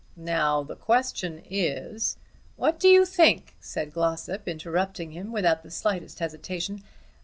Now the question is " "What do you think," said Glossop, interrupting him without the slightest hesitation.